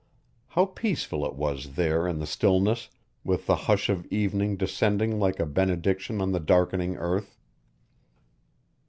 How peaceful it was there in the stillness, with the hush of evening descending like a benediction on the darkening earth!